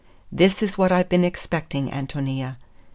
"This is what I've been expecting, Ántonia.